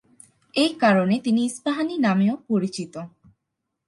এই কারণে তিনি ইস্পাহানি নামেও পরিচিত।